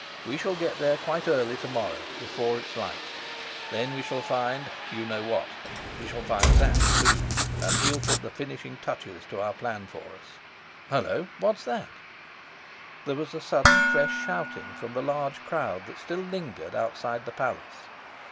We shall get there quite early to morrow, before it's light. There we shall find what you know. We shall find Sapt, too, and he'll put the finishing touches to our plan for us. Hullo, what's that?" There was a sudden fresh shouting from the large crowd that still lingered outside the palace.